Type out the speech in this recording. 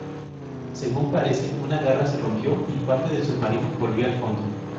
Según parece una garra se rompió y parte del submarino volvió al fondo.